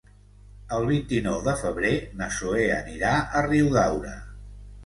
El vint-i-nou de febrer na Zoè anirà a Riudaura.